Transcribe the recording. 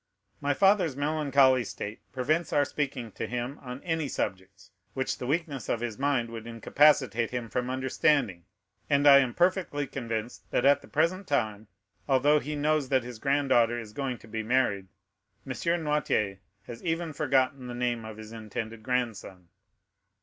My father's melancholy state prevents our speaking to him on any subjects, which the weakness of his mind would incapacitate him from understanding, and I am perfectly convinced that at the present time, although, he knows that his granddaughter is going to be married, M. Noirtier has even forgotten the name of his intended grandson."